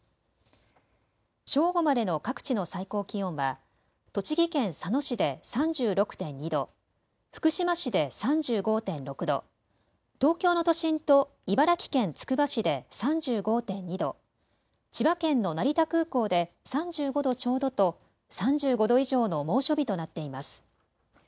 正午までの各地の最高気温は栃木県佐野市で３６．２度、福島市で３５．６度、東京の都心と茨城県つくば市で３５．２度、千葉県の成田空港で３５度ちょうどと３５度以上の猛暑日となっています。